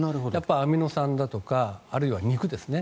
アミノ酸だとかあるいは肉ですね。